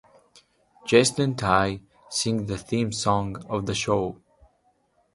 Jacelyn Tay sings the theme song of the show.